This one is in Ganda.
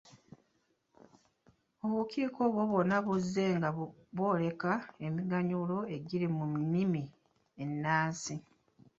Obukiiko obwo bwonna buzzenga bwoleka emiganyulo egiri mu nnimi ennansi.